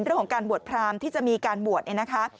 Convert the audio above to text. เรื่องของการบวชพรามที่จะมีการบวช